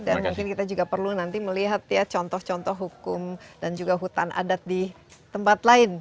dan mungkin kita juga perlu nanti melihat ya contoh contoh hukum dan juga hutan adat di tempat lain